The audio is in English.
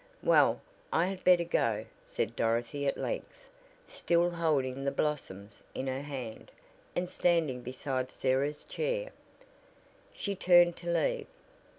"Well, I had better go," said Dorothy at length, still holding the blossoms in her hand, and standing beside Sarah's chair. She turned to leave.